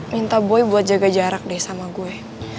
minta boy buat jaga jarak deh sama gue